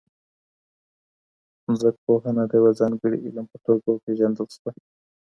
ځمکپوهنه د یو ځانګړي علم په توګه وپیژندل سوه.